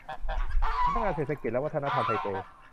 สำนักงานเศรษฐกิจและวัฒนธรรมไทเป